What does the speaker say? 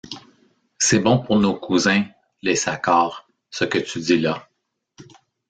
C’est bon pour nos cousins, les Saccard, ce que tu dis là.